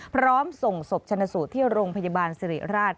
พร้อมส่งศพชนะสูตรที่โรงพยาบาลสิริราช